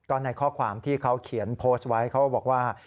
ก็ในข้อความที่เขาเขียนโพสต์ไว้เขาบอกว่า